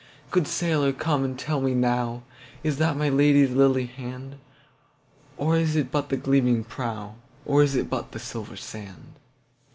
Good sailor come and tell me nowIs that my Lady's lily hand? Or is it but the gleaming prow, Or is it but the silver sand?